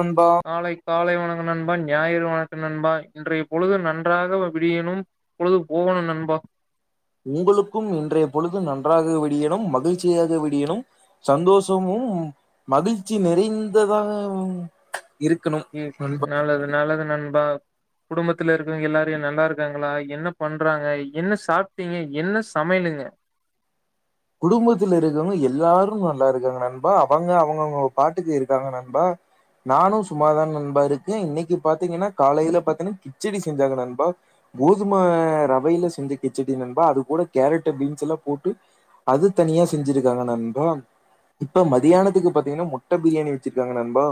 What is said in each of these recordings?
உன்பா காலை காலை வணக்கு நண்பா ஞாயிறு வணுக்கு நண்பா இன்றைய பொழுது நன்றாக வ விடியணு பொழுது போகணு நண்பா உங்களுக்கு இன்றைய பொழுது நன்றாக விடியணு மகிழ்ச்சியாக விடியணு சந்தோஷமு மகிழ்ச்சி நிறைந்ததாகவு ம் நாலது நாலது நண்பா குடுமத்துல இருக்கவிங்க எல்லாரயு நல்லாருக்காங்களா என்ன பண்றாங்க என்ன சாப்ட்டீங்க என்ன சமைலுங்க குடுமபத்துல இருக்கவங்க எல்லாரு நல்லாருக்காங்க நண்பா அவங்க அவங்கவுங்கோ பாட்டுக்கு இருக்காங்க நண்பா நானு சும்மாதா நண்பா இருக்க இன்னக்கி பாத்தீங்கனா காலைல பாத்தீன்ன கிச்சடி செஞ்சாங்க நண்பா கோதும ரவைல செஞ்ச கிச்சடி நண்பா அது கூட கேரட்ட பீன்ஸ் எல்லா போட்டு அது தனியா செஞ்சிருக்காங்க நண்பா இப்ப மதியானத்துக்கு பாத்தீங்கன்னா முட்ட பிரியாணி வச்சிருக்காங்க நண்பா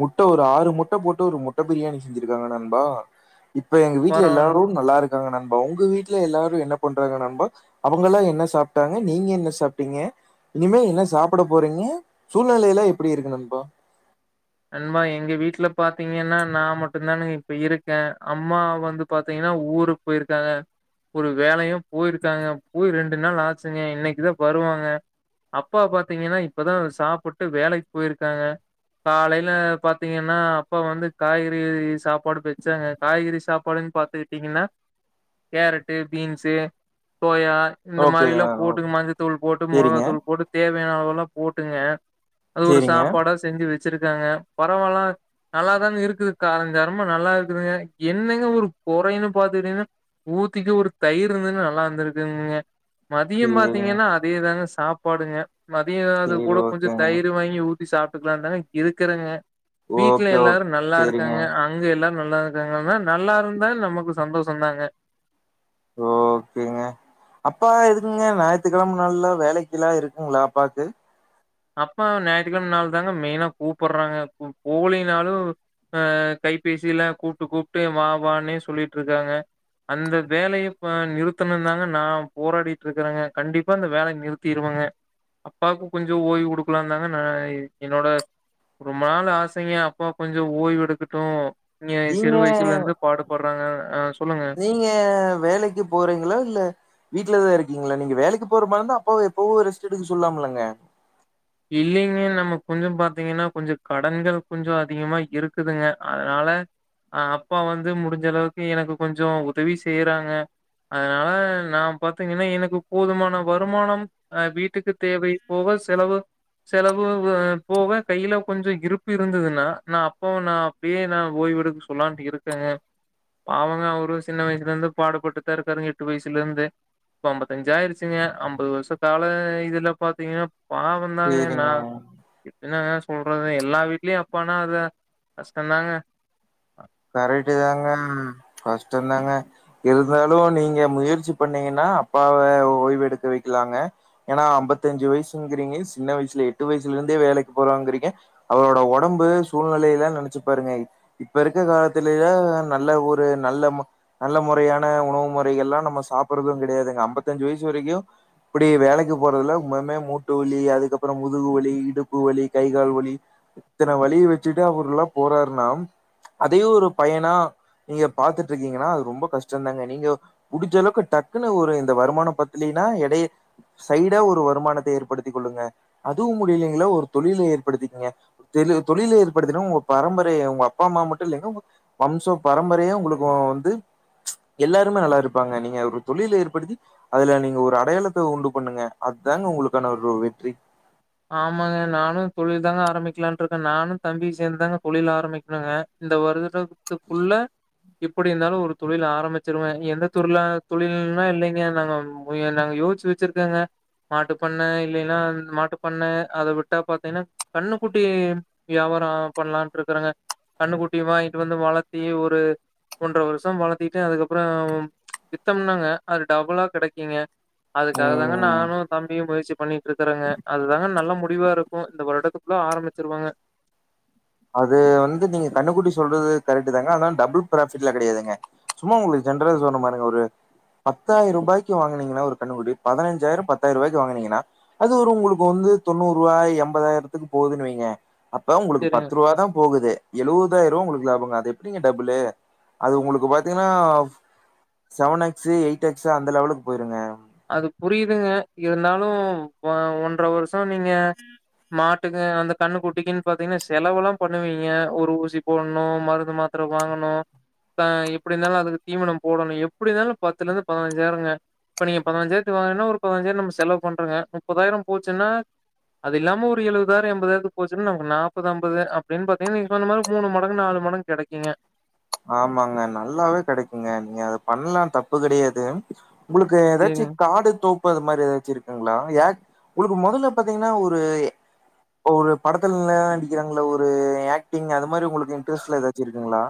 முட்ட ஒரு ஆறு முட்ட போட்டு ஒரு முட்ட பிரியாணி செஞ்சிருக்காங்க நண்பா இப்ப எங் வீட்ல பரவால் எல்லாரு நல்லாருக் ஆ நண்பா உங்க வீட்ல எல்லாரும் என்ன பண்றாங்க நண்பா அவங்கெல்லாம் என்ன சாப்ட்டாங்க நீங்க என்ன சாப்ட்டீங்க இனிமேல் என்ன சாப்ட போறீங்க சூழ்நெலையெல்லா எல்லாம் எப்பிடி இருக்கு நண்பா நண்பா எங்க வீட்ல பாத்தீங்கன்னா நான் மட்டும்தானே இப்ப இருக்கேன் அம்மா வந்து பாத்தீங்கன்னா ஊருக்கு போயிருக்காங்க ஒரு வேலையும் போயிருக்காங்க போய் ரெண்டு நாள் ஆச்சுங்க இன்னிக்குதான் வருவாங்க அப்பா பாத்தீங்கன்னா இப்பதான் சாப்டுட்டு வேலைக்கு போயிருக்காங்க போயிருக்காங்க காலையில பாத்தீங்கன்னா அப்பா வந்து காய்கறி சாப்பாடு வச்சாங்க காய்கறி சாப்பாடுன்னு பாத்திருக்கீங்களா கேரட்டு பீன்ஸு சோயா இந்த ஓகேங்க. மாரில்லா போட்டு மஞ்சத்தூள் போட்டு சரிங்க, மொளகாத்தூள் போட்டு தே இப்ப எவ்ளோ போட்டுங்க அது ஒரு சரிங்க. சாப்பாடா செஞ்சு வச்ச வச்சிருக்காங்க பரவால்ல நல்லாதான இருக்குது காரஞ்சாரமா நல்லா இருக்குதுங்க என்னங்க ஒரு கொறைன்னு பாத்துட்டீங்கனா ஊத்திக்க ஒரு தயிர் இருந்துன்னு நல்லா இருந்திருக்குங்க மதிய சரிங்க. பாத்தீங்கன்னா அதேதான சாப்பாடுங்க மதிய அது சரி கூட கொஞ்சம் ஓகேங்க. தயிர் வாங்கி ஊ ப்பிடி சாப்ட்டுக்கலால்ல இருக்கறங்க வீட்ல ஓகே, ஓகே. எல்லாரும் நல்லா சரிங்க. இருக்காங்க அங்க எல்லாரு நல்லா இருக்காங்கலாங்க நல்லா இருந்தால் நமக்கு சந்தோஷம் தாங்க ஓகேங்க அப்பா எதுக்குங்க ஞாயத்துக்கிழம நாளெல்லா வேலைக்கெல்லா இருக்குங்களா அப்பாக்கு அப்பாவ ஞாயத்துக்கிழம நாள்தான் தாங்க மெயினா கூப்படுறாங்க போலைனாலும் அஹ் கைபேசியில கூப்ட்டு கூப்ட்டு வா வானே சொல்லிட்டு இருக்காங்க அந்த வேலய இப்ப நிறுத்தணும்னு தாங்க நான் போராடிட்டு இருக்கறங்க கண்டிப்பா அந்த வேலய நிறுத்திருவங்க அப்பாக்கும் கொஞ்சோ கொஞ்சோ ஓய்வு கொடுக்கலாம்ந்தாங்க நா என்னோட ரொம்ப நாள் ஆசைங்க அப்பா கொஞ்சம் ஓய்வு எடுக்கட்டும் இங்க நீங்க சிறு வயசுலருந்து பாடுபடுறாங்க. அ சொல்லுங்க. நீங்க வேலைக்கு போறீங்களா இல்ல வீட்லதா இருக் உங்கள நீங்க வேலைக்கு போற மாரி இருந்தா அப்பாவ எப்போவோ ரெஸ்ட் எடுக்க சொல்லலாம்ங்க இல்லைங்க நமக்கு கொஞ்ச பாத்தீங்கின்னா கொஞ்ச கடன்கள் கொஞ்ச அதிகமா இருக்குதுங்க அதனால அ அப்பா வந்து முடிஞ்ச அளவுக்கு எனக்கு கொஞ்சோம் உதவி செய்யறாங்க அதனால நா பாத்தீங்ககின்னா எனக்கு போதுமான வருமானம் அ வீட்டுக்கு தேவை போக செலவு செலவு போக கையில கொஞ்ச இருப்பு இருந்துதுன்னா நா அப்பாவ நா அப்பயே நா ஓய்வெடுக்க சொல்லான்ட்டு இருக்கேங்க பாவங்க அவ சின்ன வயசுல இருந்து பாடுபட்டுதா இருக்காருங்க எட்டு வயசுல இருந்து இப்ப அம்பத்தஞ்சு ஆயிருச்சுங்க அம்பது வருஷ கால இதுல பாத்தீங்கன்னா இருந்தாங்கனா சேரிங்க என்னங்க சொல்றது எல்லா வீட்லயு அப்பானா அதுதா கஷ்டம்தாங்க கரைட்டுதாங்க கஷ்டம்தாங்க இருந்தாலு நீங்க முயற்சி பண்ணீங்கன்னா அப்பாவ ஓய்வு எடுக்க வைக்கலாங்க ஏன்னா அம்பத்தஞ்சு வயசுங்கிறீங்க சின்ன வயசுல எட்டு வயசுல இருந்தே வேலைக்கு போறாங்கிறீங்க அவரோட உடம்பு சூழ்நிலை எல்லா நெனச்சு பாருங்க இப்ப இருக் க்க காலத்துலையா நல்ல ஊரு நல்ல ம நல்ல முறையான உணவு முறைகள்லா நம்ம சாப்புட்றது கிடையாதுங்க ஐம்பத்தஞ்சு வயசு வரைக்கும் இப்படி வேலைக்கு போறதுல மமே மூட்டு வலி அதுக்கப்புறம் முதுகு வலி இடுப்பு வலி கை கால் வலி இத்தனை வலி வச்சுட்டு அவருலாம் போறாருனா அதையே ஒரு பயனா நீங்க பாத்துட்டு இருக்கீங்கன்னா அது ரொம்ப கஷ்டம்தாங்க நீங்க முடிஞ்ச அளவுக்கு டக்குன்னு ஒரு இந்த வருமானம் பத்துலன்னா இடைய சைடா ஒரு வருமானத்த ஏற்படுத்தி கொள்ளுங்க அதுவும் முடியலைங்களா ஒரு தொழில ஏற்படுத்திக்கிங்க தொழில ஏற்படுத்தினா உங்க பரம்பரைய உங்க அப்பா அம்மா மட்டும் இல்லங்க வம்ச பரம்பரையே உங்களுக்கு வந்து எல்லாரும் நல்லா இருப்பாங்க நீங்க ஒரு தொழில ஏற்படுத்தி அதுல நீங்க ஒரு அடையாளத்த உண்டு பண்ணுங்க அதுதாங்க உங்களுக்கான ஒரு வெற்றி ஆமாங்க நானும் தொழில் தாங்க ஆரம்பிக்கலான் இருக்கேன் நானும் தம்பி சேந்து தாங்க தொழில் ஆரம்பிக்கணுங்க இந்த வருதுட துக்குள்ள இப்பிடிந்தாலும் ஒரு தொழில் ஆரம்பிச்சிருவேன் எந்த துர்லா தொழில்னா இல்லைங்க நாங்க நாங்க யோசிச்சு வச்சிர்க்கங்க மாட்டு பண்ண இல்லைன்னா மாட்டு பண்னே அத வுட்டா பாத்தீங்கன்னா கண்ணுக்குட்டி வியாபாரம் பண்லான்ட்டு இருக்கறாங்க கண்ணுக்குட்டி வாங்கிட்டு வந்து வளத்தி ஒரு ஒன்றரை வருஷம் வளத்திட்டு அதுக்கப்பறம் வித்தம்னாங்க அது டபுளாக கிடைக்ம்கிங்க அதுக்காகதாங்க ம் நானு தம்பியு முயற்சி பண்ணிட்ருக்கறங்க அதுதாங்க நல்ல முடிவா இருக்கும் இந்த வருடத்துக்குள்ள ஆரம்பிச்சிருவங்க அது வந்து நீங்க கண்ணுக்குட்டி சொல்றது கரெக்ட் தாங்க ஆனா டபுள் ப்ராபிட்லா கிடையாதுங்க சும்மா உங்ளுக் ஜென்ரலா சொல்றன் பாருங்க ஒரு பத்தாயிர் ரூபாய்க்கு வாங்குனிங்கனா ஒரு கண்ணுக்குட்டி பதனஞ்சாயிரம் பத்தாயிரம் ரூபாய்க்கு வாங்குனீங்கன்னா அது ஒரு உங்களுக்கு வந்து தொண்ணூறு ரூபா எம்பதாயிரத்துக்கு போகுதுன்னு வைங்க அப்ப சரிங்க. பத்து ரூபா தான் போகுது எழுபதாயிரம் ரூபா உங்களுக்கு லாபம் அது எப்டிங்க டபுள்ளு அது உங்களுக்கு பாத்தீங்ன்னா செவன் எக்சு ஏய்ட் எக்சு அந்தலெவலுக்கு போயிருங்க அது புரியுதுங்க இருந்தாலும் ஒன்றவருஷம் ம் நீங்க மாட் ட்டுங்க அந்த கண்ணு குட்டிக்குன் பாத்தீங்னா செலவுலா பண்ணுவீங்க ஒரு ஊசி போட்ணூ மருந்து மாத்திர வாங்கணும் அஹ் எப்டி இருந்தாலும் அதுக்கு தீவனம் போடணு எப்டி இருந்தாலும் பத்துலருந்து பதினஞ்சாயிரங்க இப்ப நீங்க பதனஞ்சாயிரத்துக்கு வாங்கன்னா ஒரு பதனஞ்சாயிரோ நம்ம செலவு பண்றோங்க முப்பதாயிரோ போச்சுன்னா அது இல்லாம ஒரு எழுபதுதாயிரோ எண்பதாயிரத்துக்கு போச்சுன்னா நமக்கு நாப்பது அம்பது அப்டின்னு பாத்தீங்கனா நீங்க சொன்ன மாரி மூணு மடங்கு நாலு மடங்கு கெடைக்கூங்க ஆமாங்க நல்லாவே கெடைக்கூங்க நீங்க அத பணலா தப்பு கெடையாது உங்கள்க்கு சரிங்க. ஏதாச்சு காடு தோப் இப்ப அது மாரி எதாச்சு இருக்குங்களா ஏ உங்கள்க்கு மொதல்ல பாத்தீங்னா ஒரு ஒரு படத்துல நடிக்கிறாங்கள ஒரு ஆக்டிங் அது மாரி உங்களுக்கு இன்ட்ரெஸ்ட்லா எதாச்சுருக்குங்களா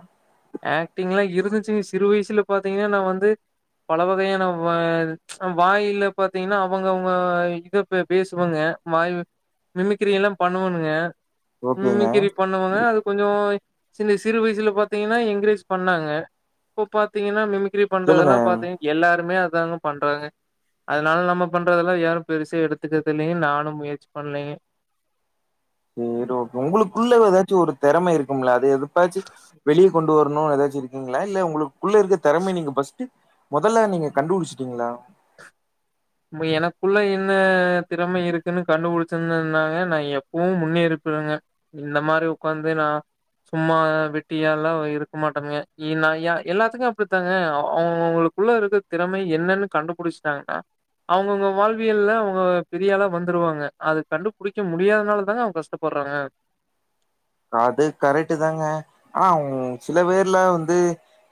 ஆக்டிங்லா இருந்துச்சுங்க சிறு வயசுல பாத்தீங்னா நா வந்து பல வகையான வால் வாயில்ல பாத்தீங்னா அவுங்கவுங்க இத பேசுவாங்க வாய் மிமிக்கிரி எல்லா பண்ணுவானுங்க ஓகேங்க மிமிக்கிரி பண்ணுவாங்க அது கொஞ்சோ சின்ன சிறு வயசுல பாத் தீங்கு என்க்ரேஜ் பண்ணாங்க இப்ப பாத்தீங்ன்னா மிமிக் கிரி சொல்லுங்க பண்றதல்லா பாத்தீங் எல்லாருமே அத் ங்க பண்றாங்க அதனால நம்ம பண்றதல்லா யாரு பெருசா எடுத்துகுறது இல்லைங்க நானு முயற்சி பண்லைங்க தெறமை இருக்கும்ல அது எதுக்காச்சி வெளிய கொண்டு வர்ணு எதாச்சி இருக்கிங்ளா இல்ல உங்குளுக்குள்ள இருக்க தெறமைய நீங்க ஃபர்ஸ்ட் மொதல்ல நீங்க கண்டு புடுச்சுட்டிங்களா எனக்குள்ள என்ன திறமை இருக்குன்னு கண்டுபிடிச்ருந்ருந்தாங்னா நா எப்பவோ முன்னேறிற்பனுங்க இந்த மாரி உக்காந்து நா சும்மா வெட்டியாலா இருக்க மாட்டேங்க இ ந எல்லாத்துக்கு அப்டிதாங்க அவங்கவுங்ளுக்குள்ள இருக்க திறமை என்னனு கண்டுபுடிச்சுட்டாங்கனா அவங்கவுங்க வாழ்வியல்ல அவுங்க பெரியாளா வந்துருவாங்க அது கண்டுபிடிக்க முடியாதனால தான அவுங்க கஷ்டபடுறாங்க அது கரெட்டு தாங்க ஆனா சில பேர்ல வந்து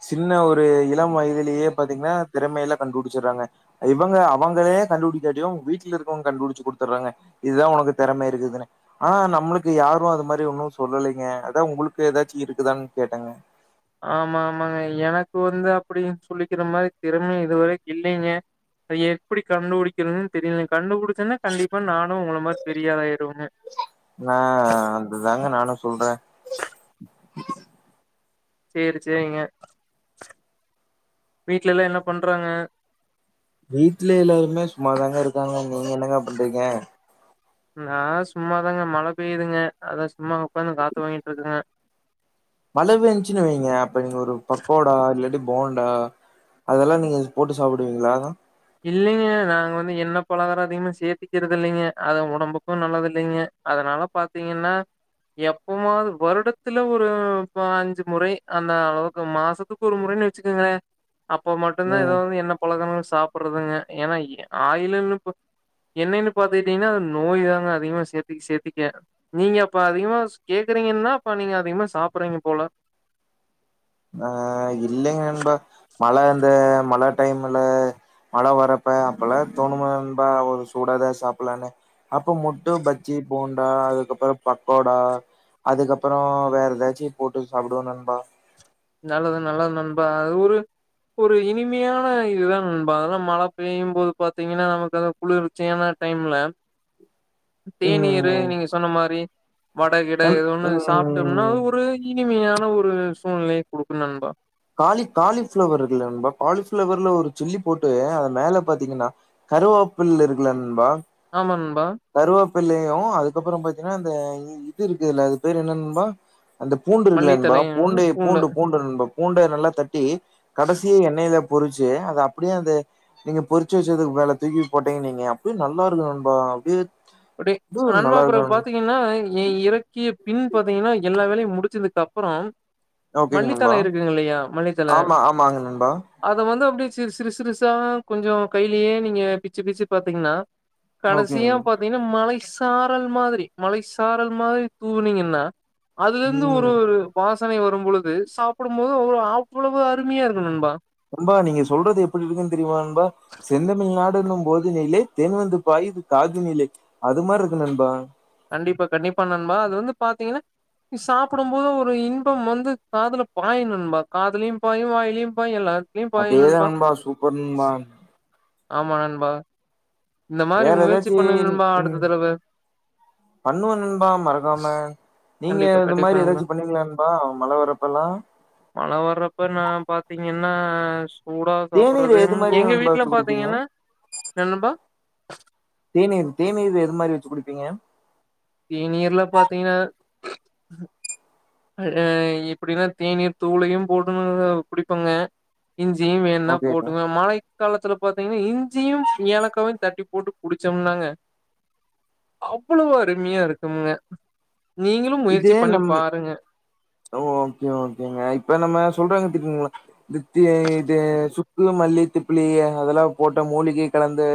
சின்ன ஒரு இளம் வயதிலேயே பாத்திங்னா திறமைலா கண்டுபிடிச்சர்றாங்க இவங்க அவங்களே கண்டுபிடிக்காட்டியு வீட்ல இருக்கவங்க கண்டுபிடிச்சு குடுத்தர்றாங்க இதா உனக்கு தெறமை இருக்குதுனு ஆனா நம்மளுக்கு யாரு அது மாரி ஒன்னு ஒண்ணுல்லைங்க அதா உங்ளுக்கு எதாச்சி இருக்குதான் கேட்டங்க ஆமா ஆமாங்க எனக்கு வந்து அப்பிடி சொல்லிக்கிறா மாரி திறமை இதுவரைக்கும் இல்லீங்க அது எப்பிடி கண்டுபிடிக்கதுன்னு தெரியல கண்டுபுடிச்சுன்னே கண்டிப்பா நானும் உங்கள மாரி பெரியாளா ஆயி நா அதுதாங்க நானு சொல்றேன் சேரி, சேரிங்க வீட்லல்லா என்ன பண்றாங்க வீட்ல எல்லாருமே சும்மாதாங்க இருக்காங்க நீங்க என்னங்க பண்றீங்க நா சும்மாதாங்க மழ பெய்துங்க அதா சும்மா உப்பாந்து காத்து வாங்கிட்ருக்கங்க மழ பேஞ்ச்சுனு வெய்ங்க அப்ப நீங்க ஒரு பக்கோடா இல்லாட்டி போண்டா அதெல்லா நீங்க போட்டு சாப்டுவிங்ளாணா இல்லிங்க நாங்க வந்து எண்ண பலகாரோ அதிகமா சேத்திக்கிறது இல்லிங்க அது ஒடம்புக்கூ நல்லது இல்லீங்க அதனால பாத்தீங்கன்னா எப்பமாவ்து வருடத்துல ஒரு ப அஞ்சு முறை அந்த அளவுக்கு மாசத்துக்கு ஒரு முறைன்னு வெச்சுக்கங்களே அப்போ மட்டுந்தா ம் எதோ வந்து எண்ண பழகணு ஸ் ப்பறதுங்க ஏன்னா இ ஆயிலுன்னு ப எண்ணைணு பாத்துக்கிட்டீங்ன்னா நோய் தாங்க அதிகமா சேத்திக் சேத்திக்க நீங்க அப்ப அதிகமா ஸ் கேக்குறீங்கன்னா அப்ப நீங்க அதிகமா சாப்பறீங்க போல அஹ் இல்லைங்க நண்பா மழ அந்த மழை டைம்முல மழை வரப்ப அப்பல்லா தோணுமா நண்பா ஒரு சூடா எதா சாப்லானு அப்போ முட்டு பஜ்ஜி போண்டா அதுக்கப்புற பக்கோடா அதுக்கப்புறோ வேற எதாச்சி போட்டு சாப்டுவோ நண்பா நல்லது நல்லது நண்பா அது ஒரு ஒரு இனிமியான இதுதா நண்பா அதல்லா மழை பெய்யும் போது பாத்தீங்கன்னா நமக்கு அது குளிர்ச்சியான டைம்ல தேநீரு ம் நீங்க சொன்ன மாரி வட கிட நண் எத ஒன்னு சாப்டம்னா ம் ஒரு இனிமையா அ ஒரு சூழ்நிலை குடுக்கு நண்பா காலி காலிஃப்ளவர் இருக்குல்ல நண்பா காலிஃபிளவர்ல ஒரு சில்லி போட்டு அத மேல பாத்தீங்கன்னா கருவோப்பிள் இருக்குல்ல நண்பா ஆமா நண்பா ப்பில்லையு அதுக்கப்புறம் பாத்தீனா அந்த இ இது இருக்குதுல்ல அது பேர் என்ன நண்பா அந்த பூண்டு இருக்குல்ல நண்பா பூண்டே பூண்டு பூண்டு நண்பா பூண்ட நல்லா தட் டி கடைசியா எண்ணையிலப் பொறிச்சு அத அப்டியே அந்த நீங்க பொறிச்சு வெச்சதுக்கு மேல தூக்கி போட்டீங்க நீங்க அப்டியே நல்லாருக்கு நண்பா அப்டியே ப்படி நண்பா அப்புற பாத்தீங்கன்னா இ இறக்கி பின் பாத்தீங்கன்னா எல்லா வேலையு முடிச்சதுக்கு அப்புறோ ஓகேங்க நண்பா மல்லித்தல இருக்குங்கில்லையா மல்லித்தல ஆமா ஆமாங்க நண்பா அத வந்து அப்டி சிறு சிறுசிறுசா கொஞ்சோ கையிலயே நீங்க பிச்சு பிச்சு பாத்தீங்ன்னா ஓகேங் [inaudible] மழை சாரல் மாதிரி மழை சாரல் மாதிரி தூவுனிங்கன்னா அதுலந்து ஒரு ம் ஒரு வாஸ் சனை வரும்பொழுது சாப்பிடும் போது அவ அவ்வளவு அருமையா இருக்கு நண்பா நண்பா நீங்க சொல்றது எப்பிடி இருக்குன் தெரியுமா நண் ப செந்தமிழ்நா ட்டனும் போதிநிலே தேன் வந்துப் பாயுது காதுனிலே அது மார்ருக்கு நண்பா கண்டிப்பா கண்டிப்பா நண்பா அது வந்து பாத்தீங்கன்னா சாப்பிடும் போது ஒரு இன்பம் வந்து காதுல பாயு நண்பா காதுலியும் பாயு வாயிலியும் பாயு எல்லா அப்டியேதா நண்பா சூப்பர் நண்பா ஆமா நண்பா இந்த மாதிரி வேற முயற்சி எதாச்சீ பண்ணுங்க நண்பா உம் அடுத்த தடவ பண்ணுவ நண்பா மறக்காம நீங்கே கண்டிப்பா இது கண்டிப்பா மாரி நண்பா எதாச்சு பண்ணுவிங்ளா நண்பா மழ வர்றப்ப எல்லா என்னா ஸ் சூடா சாப்பறது எது ம் மாரி எங்க நண்பா வீட்ல வச்சு குடிப்பீங்க பாத்தீங்கனா என்ன நண்பா தேநீர் தேநீரு எது மாரி வெச்சு குடிப்பீங்க தேநீர்ல பாத்திங் ஆஹ் இப்டினா தேநீர் தூளயும் போட்டு [unintelligible] குடிப்பங்க இஞ்சியிம் வேன்னா ஓகே போட்டுங்க மழைக் காலத்துல பாத்திங்னா இஞ்சியு ஏலக்காவுன் தட்டிப் போட்டு குடிச்சோம்னாங்க அவ்ளவு அரிம்மியா இருக்குமுங்க நீங்கிளும் இது முயற்சி பண்ணிப் நம் பாருங்க ஓகே ஓகேங்க இப்ப நம்ம சொல் [unintelligible] தி தே சு சுக்கு மல்லி திப்பிலி அதலாம் போட்டா மூலிகி கலந்து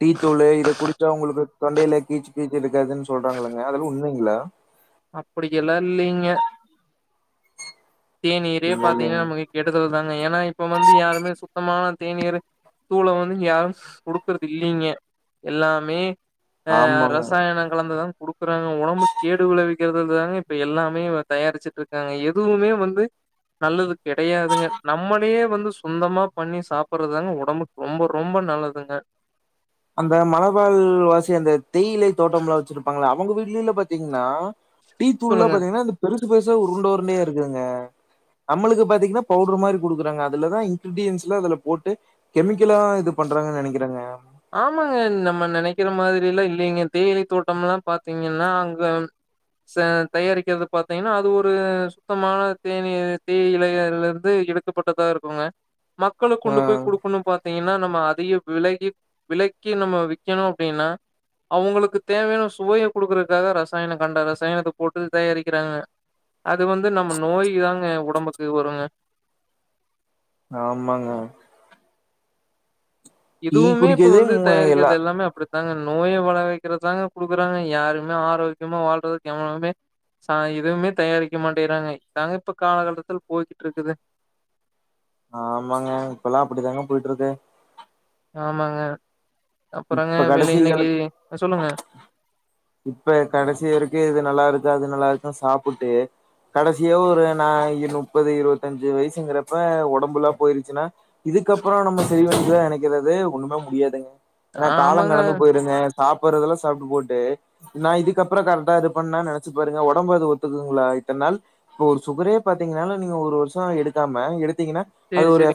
டீத்தூளு இத குடிச்சா உங்குளுக்கு தொண்டைல கீச் கீச்சு எடுக்காதுன் சொல்றாங்கலங்க அதலா உண்மைங்கள அப்டிக்கெல்லா இல்லீங்க தேநீரே இல்ல பார்த்தீங்கனா இல்லைங்க நமக்கு கெட்டதுலதாங்க ஏனா இப்போ வந்து யாருமே சூப் சுத்தமான தேநீரு தூளூ வந்துங் இங் யாரும் குடுக்குறது இல்லங்க எல்லாமே அஹ் ஆமாங்க ரசாயன கலந்து தான் குடுக்குறாங்க ஒடம்பு கேடு விளைவிக்கிறது து தாங்க இப்ப எல்லாமே தயாரிச்சிட்டுருக்காங்க எதுவுமே வந் து நல்லது கெடையாதுங்க நம்மளையே வந்து சொந்தமா பண்ணி சாப்பற்துதாங் ஒடம்பு ரொம்ப ரொம்ப நல்லதுங்க அந்த மலபால் வாசி அந்த தெயிலை தோட்டம்லா வச்சிருப்பாங்ள அவங்க வீட்லலா பதீங்னா டீ தூள்லாம் சொல்லுங்க. பாதீங்னா இந்த பெருசு பெருசா உருண்ட உருண்டையா இருக்குதுங்க அம்முளுக்கு பாத்திங்னா பவுட்ரு மாரி குடுக்குறாங்க அதுலதான் இங்கிரிடியன்ஸ்லா அதுல போட்டு கெமிக்கலா இது பண்றாங்க நெனக்கிறேங்க ஆமாங்க நம்ம நெனக்கிற மாதிரில்லா இல்லிங்க தேயிலை தோட்டம் லாம் பாத்திங்கின்னா அங்க சே தயாரிக்கிறது பாத்தீங்னா அது ஒரு சுத்தமான தேனீர் தேயிலை அதுலர்ந்து எடுக்கப்பட்டதா இருக்குங்க மக்களுக் ஆ குண்டு போய் குடுக்குணும் பாத்திங்கனா நம்ம டி [unintelligible] விலகி விலக்கி நம்மோ விக்கணு அப்டிங்னா அவங்குளுக்குத் தேவையான சுவைய குடுக்குறதுக்காக ரசாயன கண்ட ரசாயனத்த போட்டு தயாரிக்கிறாங்க அது வந்து நம்ம நோய் இதாங்க ஒடம்புக்கு வருங்க ஆமாங்க டீ இதுமே இப்பொ குடிக்கிறதே வந்து மூ தயாரிக்கிறது எல்லா எல்லாமே அப்டித் தாங்க நோய வள வக்கிறத்தாங்க குடுக்குறாங்க யாருமே ஆரோக்கியமா வாழ்றதுக் எவனுமே சாய் இதுவுமே தயாரிக்க மாட்டேறாங்க இதாங்க இப்ப காலகட்டத்துல் போய்கிட்டுருக்குது ஆமாங்க இப்பலா அப்படிதாங்க போயிட்டுருக்கு ஆமாங்க அப்புறங்க இப்ப வெளி கடைசி இன்னைக்கு [unintelligible] சொல்லுங்க இப்ப கடைசி வரைக்கூ இருக்கு இது நல்லா இருக்கு அது நல்லா இரு சாப்புட்டு கடைசியா ஒரு நான் முப்பது இருவத்தஞ்சு வயிசுங்கிறப்ப ஒடம்புல்லா போயிரிச்சுனா இதுக்கப்பறோ நம்ம செரிவந்த நெனக்கிறது ஒண்ணும் முடியாதுங்க எனா காலங் ஆமாங்க கடந்து போயிருங்க சாப்புற்றதெலா சாப்டு போட்டு நா இதுக்கப்பறொ கரக்டா இது பண்ணே நினச்சி பாருங்க ஒடம்பு அது ஒத்துக்குங்ளா இத்தன்னால் இப்போ ஒரு சுகரே பாத்தீங்னால நீங்க ஒர் வர்ஷோ எடுக்காம எடுத் திங்கினா அது சரி சரி ஒரு எஃப்